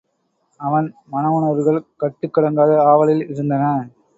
அவன் மனவுணர்வுகள் கட்டுக் கடங்காத ஆவலில் இருந்தன.